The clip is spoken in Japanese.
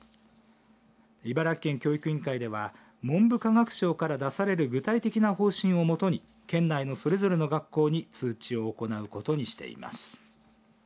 茨城県教育委員会では文部科学省から出される具体的な方針を基に県内のそれぞれの学校に通知を行うことにしています。